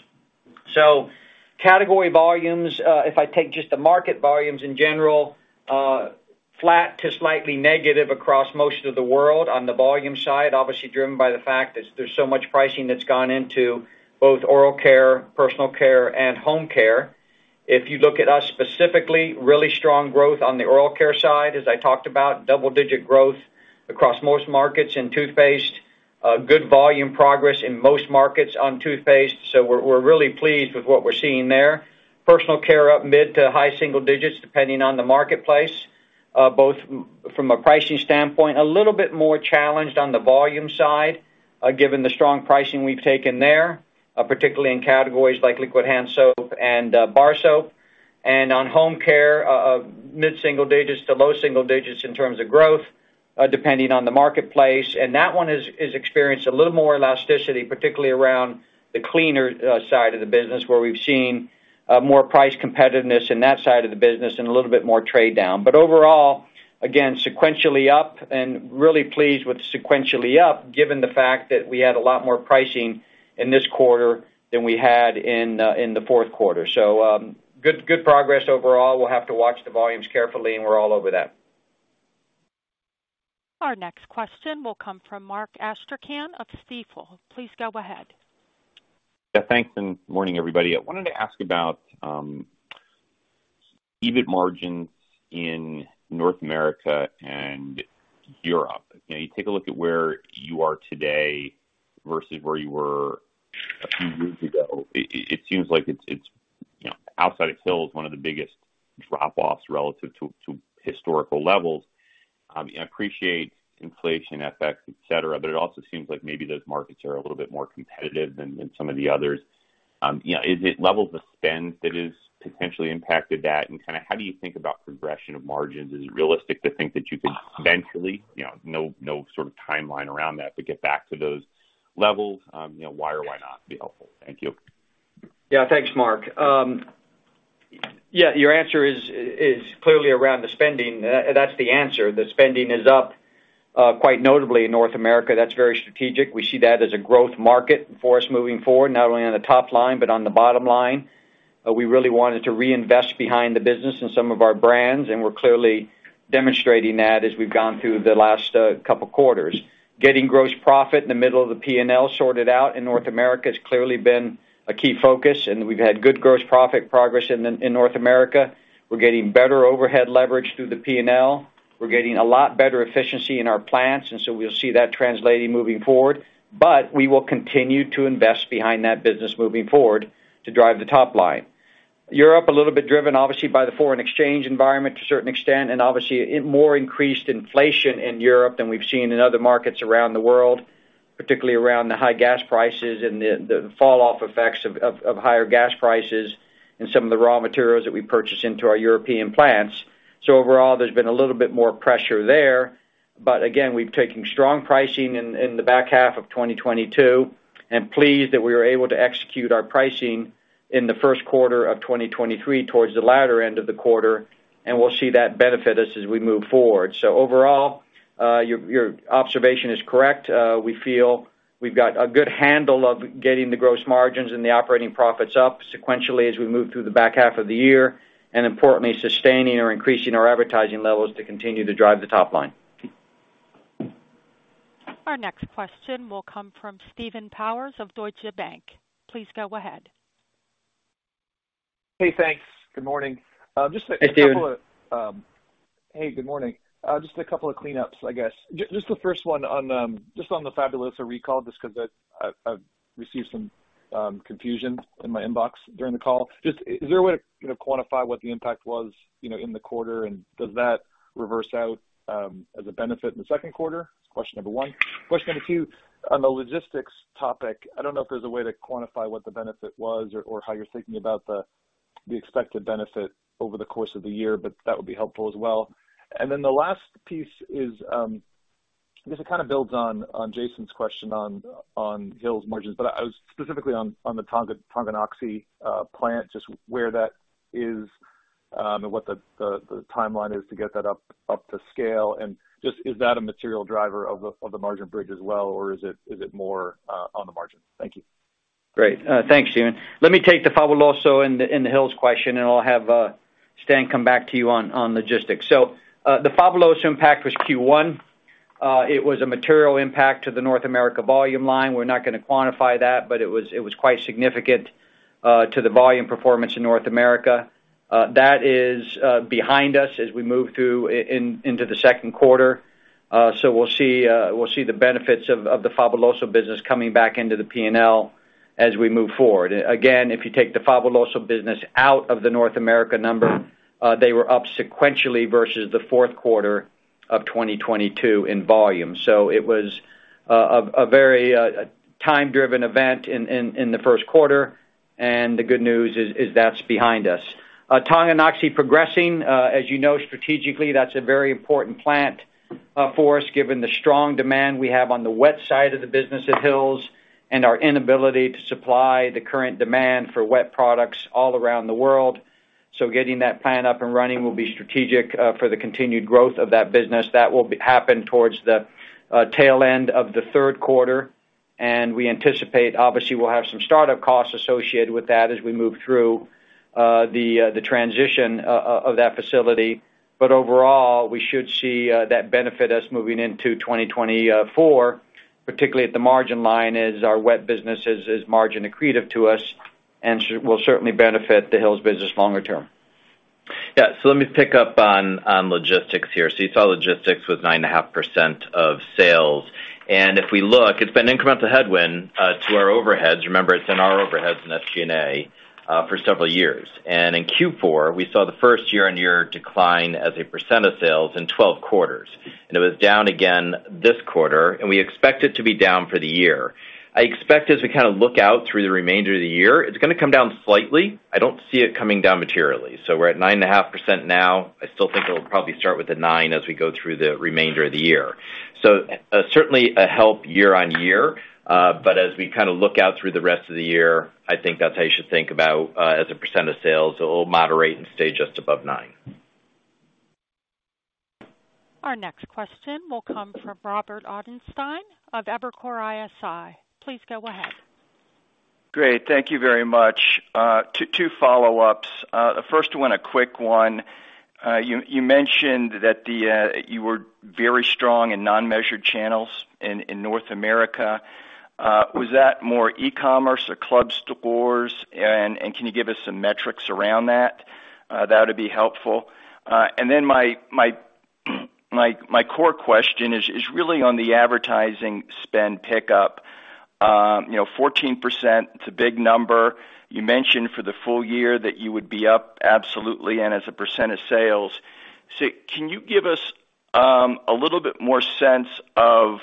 Category volumes, if I take just the market volumes in general, flat to slightly negative across most of the world on the volume side, obviously driven by the fact that there's so much pricing that's gone into both oral care, personal care, and home care. If you look at us specifically, really strong growth on the oral care side, as I talked about, double-digit growth across most markets in toothpaste. Good volume progress in most markets on toothpaste, so we're really pleased with what we're seeing there. Personal care up mid to high single digits, depending on the marketplace, both from a pricing standpoint. A little bit more challenged on the volume side, given the strong pricing we've taken there, particularly in categories like liquid hand soap and bar soap. On home care, mid-single digits to low single digits in terms of growth, depending on the marketplace. That one is experienced a little more elasticity, particularly around the cleaner side of the business, where we've seen more price competitiveness in that side of the business and a little bit more trade-down. Overall, again, sequentially up and really pleased with sequentially up, given the fact that we had a lot more pricing in this quarter than we had in the 4th quarter. Good progress overall. We'll have to watch the volumes carefully, and we're all over that. Our next question will come from Mark Astrachan of Stifel. Please go ahead. Yeah, thanks, morning, everybody. I wanted to ask about EBIT margins in North America and Europe. You know, you take a look at where you are today versus where you were a few years ago, it seems like it's, you know, outside of Hill's, one of the biggest drop-offs relative to historical levels. I appreciate inflation effects, et cetera, but it also seems like maybe those markets are a little bit more competitive than some of the others. You know, is it levels of spend that has potentially impacted that? Kinda how do you think about progression of margins? Is it realistic to think that you could eventually, you know, no sort of timeline around that, but get back to those levels? You know, why or why not would be helpful. Thank you. Yeah. Thanks, Mark. Yeah, your answer is clearly around the spending. That's the answer. The spending is up, quite notably in North America. That's very strategic. We see that as a growth market for us moving forward, not only on the top line, but on the bottom line. We really wanted to reinvest behind the business in some of our brands, and we're clearly demonstrating that as we've gone through the last couple quarters. Getting gross profit in the middle of the P&L sorted out in North America has clearly been a key focus, and we've had good gross profit progress in North America. We're getting better overhead leverage through the P&L. We're getting a lot better efficiency in our plants, and so we'll see that translating moving forward. We will continue to invest behind that business moving forward to drive the top line. Europe, a little bit driven obviously by the foreign exchange environment to a certain extent, and obviously more increased inflation in Europe than we've seen in other markets around the world, particularly around the high gas prices and the falloff effects of higher gas prices and some of the raw materials that we purchase into our European plants. So overall, there's been a little bit more pressure there. But again, we've taken strong pricing in the back half of 2022 and pleased that we were able to execute our pricing in the first quarter of 2023 towards the latter end of the quarter, and we'll see that benefit us as we move forward. Overall, your observation is correct. We feel we've got a good handle of getting the gross margins and the operating profits up sequentially as we move through the back half of the year, and importantly, sustaining or increasing our advertising levels to continue to drive the top line. Our next question will come from Stephen Powers of Deutsche Bank. Please go ahead. Hey, thanks. Good morning. Just Hey, Stephen. Hey, good morning. Just a couple of cleanups, I guess. Just the first one on, just on the Fabuloso recall, just 'cause I've received some confusion in my inbox during the call. Is there a way to, you know, quantify what the impact was, you know, in the quarter, and does that reverse out as a benefit in the second quarter? That's question number one. Question number two, on the logistics topic, I don't know if there's a way to quantify what the benefit was or how you're thinking about the expected benefit over the course of the year, but that would be helpful as well. The last piece is, I guess it kind of builds on Jason's question on Hill's margins, but I was specifically on the Tonganoxie plant, just where that is, and what the timeline is to get that up to scale. Is that a material driver of the margin bridge as well, or is it more on the margin? Thank you. Great. Thanks, Stephen. Let me take the Fabuloso and the Hill's question, and I'll have Stan come back to you on logistics. The Fabuloso impact was Q1. It was a material impact to the North America volume line. We're not gonna quantify that, but it was quite significant to the volume performance in North America. That is behind us as we move into the second quarter. We'll see the benefits of the Fabuloso business coming back into the P&L as we move forward. Again, if you take the Fabuloso business out of the North America number, they were up sequentially versus the fourth quarter of 2022 in volume. It was a very time-driven event in the first quarter, and the good news is that's behind us. Tonganoxie progressing. As you know, strategically, that's a very important plant for us, given the strong demand we have on the wet side of the business at Hill's and our inability to supply the current demand for wet products all around the world. Getting that plant up and running will be strategic for the continued growth of that business. That will happen towards the tail end of the third quarter. We anticipate, obviously, we'll have some start-up costs associated with that as we move through the transition of that facility. Overall, we should see that benefit us moving into 2024, particularly at the margin line, as our wet business is margin accretive to us and will certainly benefit the Hill's business longer term. Let me pick up on logistics here. You saw logistics was 9.5% of sales. If we look, it's been an incremental headwind to our overheads. Remember, it's in our overheads in SG&A for several years. In Q4, we saw the first year-on-year decline as a percent of sales in 12 quarters. It was down again this quarter, and we expect it to be down for the year. I expect as we kind of look out through the remainder of the year, it's gonna come down slightly. I don't see it coming down materially. We're at 9.5% now. I still think it'll probably start with a 9 as we go through the remainder of the year. Certainly a help year-on-year, but as we kind of look out through the rest of the year, I think that's how you should think about as a percent of sales. It'll moderate and stay just above 9%. Our next question will come from Robert Ottenstein of Evercore ISI. Please go ahead. Great. Thank you very much. two follow-ups. The first one, a quick one. You mentioned that the you were very strong in non-measured channels in North America. Was that more e-commerce or club stores? Can you give us some metrics around that? That would be helpful. Then my core question is really on the advertising spend pickup. You know, 14%, it's a big number. You mentioned for the full year that you would be up absolutely and as a percent of sales. Can you give us a little bit more sense of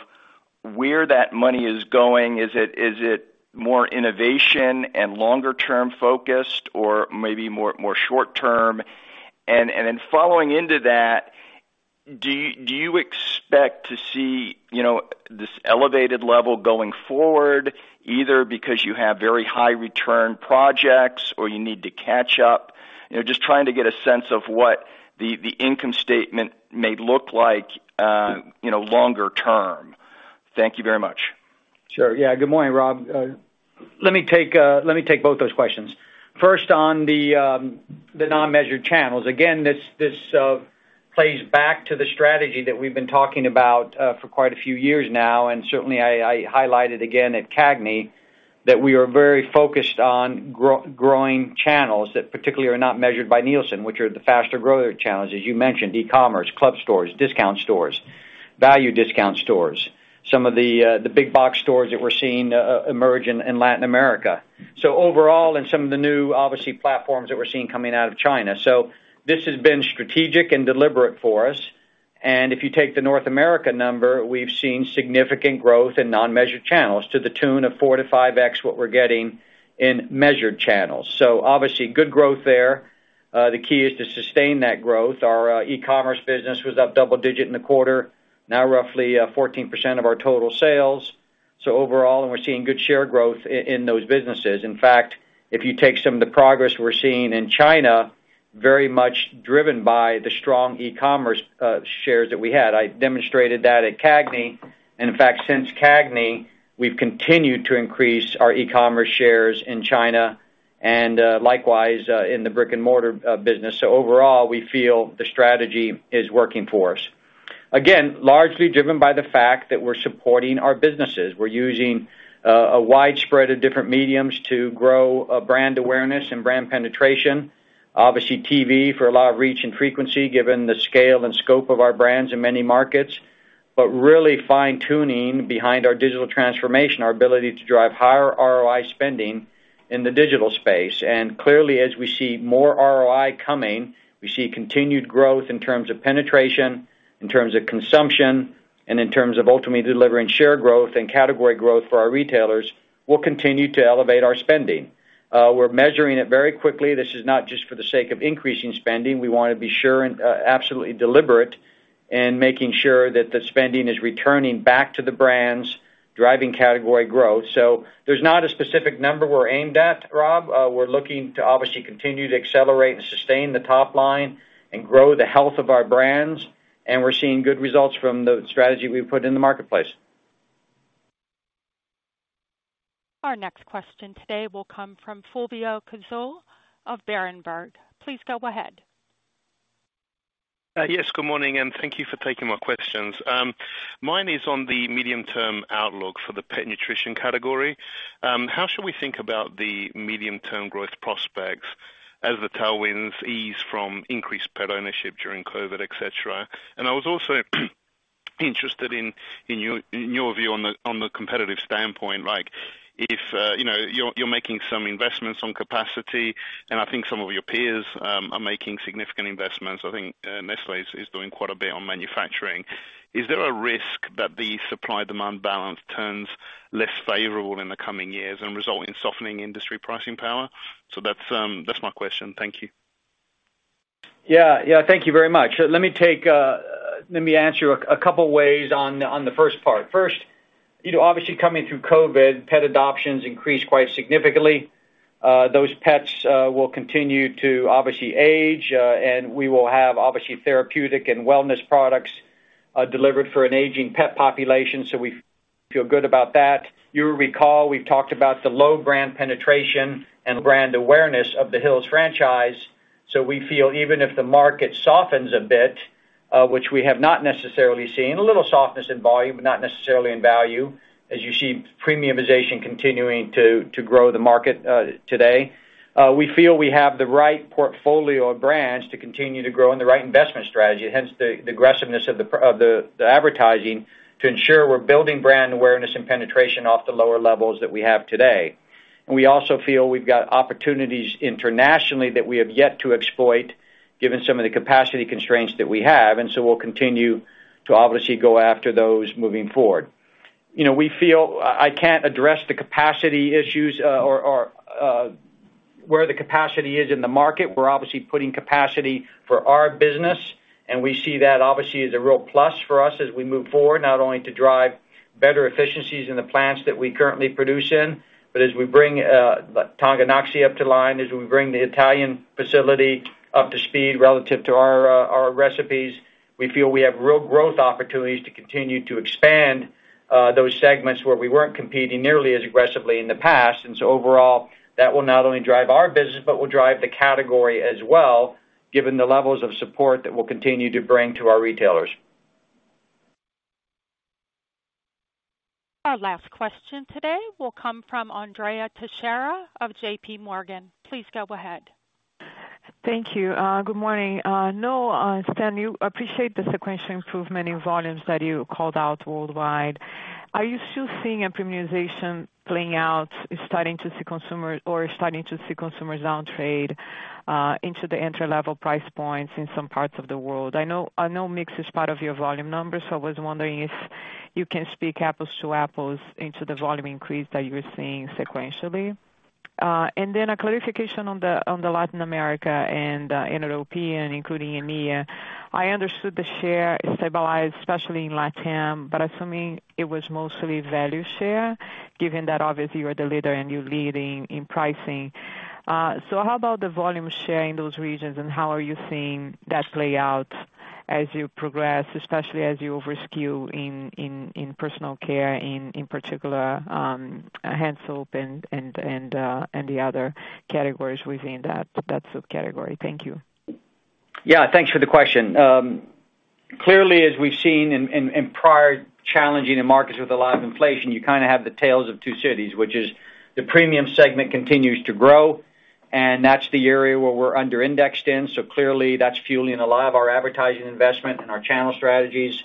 where that money is going? Is it more innovation and longer-term focused or maybe more short term? Following into that, do you expect to see, you know, this elevated level going forward, either because you have very high return projects or you need to catch up? You know, just trying to get a sense of what the income statement may look like, you know, longer term. Thank you very much. Sure. Yeah. Good morning, Rob. let me take both those questions. First on the non-measured channels. Again, this plays back to the strategy that we've been talking about, for quite a few years now. Certainly I highlighted again at CAGNY that we are very focused on growing channels that particularly are not measured by Nielsen, which are the faster grower channels. As you mentioned, e-commerce, club stores, discount stores, value discount stores, some of the big box stores that we're seeing, emerge in Latin America. Overall, and some of the new, obviously, platforms that we're seeing coming out of China. This has been strategic and deliberate for us. If you take the North America number, we've seen significant growth in non-measured channels to the tune of 4-5x what we're getting in measured channels. Obviously good growth there. The key is to sustain that growth. Our e-commerce business was up double digit in the quarter, now roughly 14% of our total sales. Overall, and we're seeing good share growth in those businesses. In fact, if you take some of the progress we're seeing in China, very much driven by the strong e-commerce shares that we had. I demonstrated that at CAGNY. In fact, since CAGNY, we've continued to increase our e-commerce shares in China and likewise in the brick-and-mortar business. Overall, we feel the strategy is working for us. Again, largely driven by the fact that we're supporting our businesses. We're using a widespread of different mediums to grow brand awareness and brand penetration. Obviously, TV for a lot of reach and frequency, given the scale and scope of our brands in many markets. Really fine-tuning behind our digital transformation, our ability to drive higher ROI spending in the digital space. Clearly, as we see more ROI coming, we see continued growth in terms of penetration, in terms of consumption, and in terms of ultimately delivering share growth and category growth for our retailers. We'll continue to elevate our spending. We're measuring it very quickly. This is not just for the sake of increasing spending. We wanna be sure and absolutely deliberate in making sure that the spending is returning back to the brands driving category growth. There's not a specific number we're aimed at, Rob. We're looking to obviously continue to accelerate and sustain the top line and grow the health of our brands. We're seeing good results from the strategy we've put in the marketplace. Our next question today will come from Fulvio Cazzol of Berenberg. Please go ahead. Yes, good morning, thank you for taking my questions. Mine is on the medium-term outlook for the pet nutrition category. How should we think about the medium-term growth prospects as the tailwinds ease from increased pet ownership during COVID, et cetera? I was also interested in your view on the competitive standpoint, like if, you know, you're making some investments on capacity, and I think some of your peers are making significant investments. I think Nestlé is doing quite a bit on manufacturing. Is there a risk that the supply-demand balance turns less favorable in the coming years and result in softening industry pricing power? That's my question. Thank you. Yeah. Yeah. Thank you very much. Let me take. Let me answer a couple ways on the first part. First, you know, obviously coming through COVID, pet adoptions increased quite significantly. Those pets will continue to obviously age, and we will have obviously therapeutic and wellness products delivered for an aging pet population, so we feel good about that. You'll recall we've talked about the low brand penetration and brand awareness of the Hill's franchise, so we feel even if the market softens a bit, which we have not necessarily seen, a little softness in volume, but not necessarily in value, as you see premiumization continuing to grow the market today. We feel we have the right portfolio of brands to continue to grow and the right investment strategy, hence the aggressiveness of the advertising to ensure we're building brand awareness and penetration off the lower levels that we have today. We also feel we've got opportunities internationally that we have yet to exploit given some of the capacity constraints that we have. We'll continue to obviously go after those moving forward. You know, we feel. I can't address the capacity issues, or, where the capacity is in the market. We're obviously putting capacity for our business, we see that obviously as a real plus for us as we move forward, not only to drive better efficiencies in the plants that we currently produce in, but as we bring Tonganoxie up to line, as we bring the Italian facility up to speed relative to our recipes. We feel we have real growth opportunities to continue to expand those segments where we weren't competing nearly as aggressively in the past. Overall, that will not only drive our business, but will drive the category as well, given the levels of support that we'll continue to bring to our retailers. Our last question today will come from Andrea Teixeira of JP Morgan. Please go ahead. Thank you. Good morning. Noel, Stan, you appreciate the sequential improvement in volumes that you called out worldwide. Are you still seeing a premiumization playing out, starting to see consumers down trade into the entry-level price points in some parts of the world? I know mix is part of your volume numbers. I was wondering if you can speak apples to apples into the volume increase that you're seeing sequentially. A clarification on the Latin America and in European, including EMEA. I understood the share stabilized, especially in LatAm. Assuming it was mostly value share, given that obviously you're the leader and you're leading in pricing. How about the volume share in those regions, and how are you seeing that play out as you progress, especially as you over-skew in personal care, in particular, hand soap and the other categories within that sub-category? Thank you. Yeah, thanks for the question. Clearly, as we've seen in, in prior challenging markets with a lot of inflation, you kinda have the tales of two cities, which is the premium segment continues to grow, and that's the area where we're under-indexed in. Clearly that's fueling a lot of our advertising investment and our channel strategies,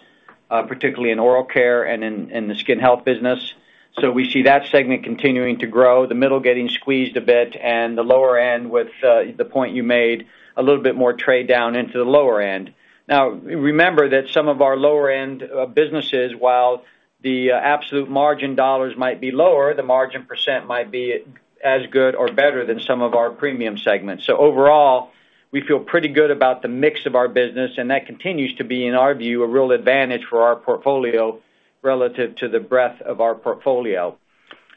particularly in oral care and in the skin health business. We see that segment continuing to grow, the middle getting squeezed a bit and the lower end with, the point you made, a little bit more trade down into the lower end. Remember that some of our lower end businesses, while the absolute margin dollars might be lower, the margin percent might be as good or better than some of our premium segments. Overall, we feel pretty good about the mix of our business, and that continues to be, in our view, a real advantage for our portfolio relative to the breadth of our portfolio.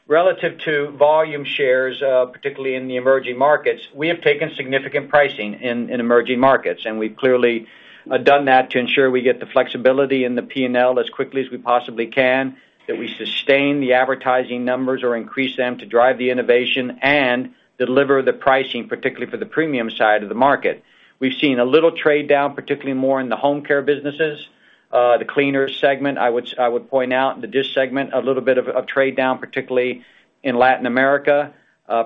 Relative to volume shares, particularly in the emerging markets, we have taken significant pricing in emerging markets, and we've clearly done that to ensure we get the flexibility in the P&L as quickly as we possibly can, that we sustain the advertising numbers or increase them to drive the innovation and deliver the pricing, particularly for the premium side of the market. We've seen a little trade down, particularly more in the home care businesses. The cleaner segment, I would point out the dish segment, a little bit of trade down, particularly in Latin America.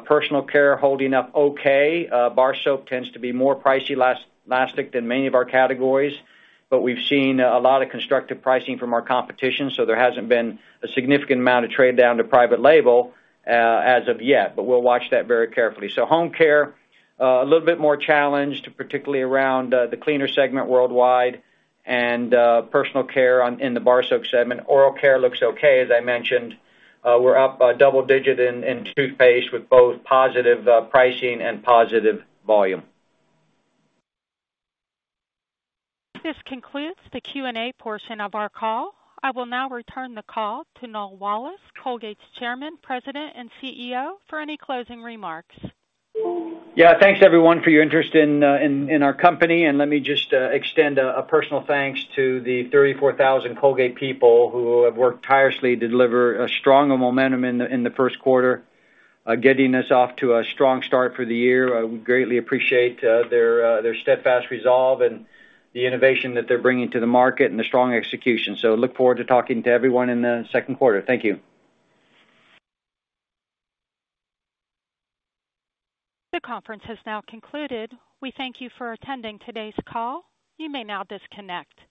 Personal care holding up okay. Bar soap tends to be more pricey, less elastic than many of our categories, but we've seen a lot of constructive pricing from our competition, so there hasn't been a significant amount of trade down to private label as of yet, but we'll watch that very carefully. Home care a little bit more challenged, particularly around the cleaner segment worldwide and personal care in the bar soap segment. Oral care looks okay. As I mentioned, we're up double digit in toothpaste with both positive pricing and positive volume. This concludes the Q&A portion of our call. I will now return the call to Noel Wallace, Colgate's Chairman, President and CEO, for any closing remarks. Yeah. Thanks everyone for your interest in our company. Let me just extend a personal thanks to the 34,000 Colgate people who have worked tirelessly to deliver a stronger momentum in the first quarter, getting us off to a strong start for the year. We greatly appreciate their steadfast resolve and the innovation that they're bringing to the market and the strong execution. Look forward to talking to everyone in the second quarter. Thank you. The conference has now concluded. We thank you for attending today's call. You may now disconnect.